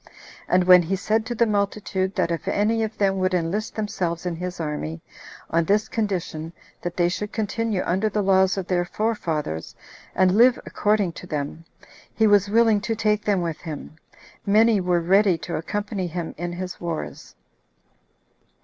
And when he said to the multitude, that if any of them would enlist themselves in his army, on this condition, that they should continue under the laws of their forefathers, and live according to them, he was willing to take them with him, many were ready to accompany him in his wars.